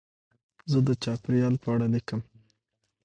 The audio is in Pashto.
زه د چاپېریال په اړه لیکم.